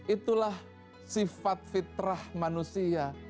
itulah sifat fitrah manusia